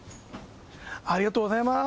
ありがとうございます。